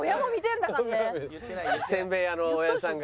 せんべい屋のおやじさんが。